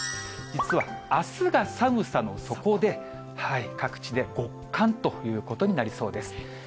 実はあすが寒さの底で、各地で極寒ということになりそうです。